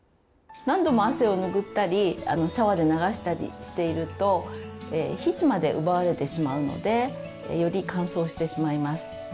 何度も汗を拭ったりシャワーで流したりしていると皮脂まで奪われてしまうのでより乾燥してしまいます。